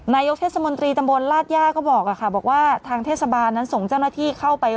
นายกเทศมนตรีตำบลลาดย่าก็บอกค่ะบอกว่าทางเทศบาลนั้นส่งเจ้าหน้าที่เข้าไป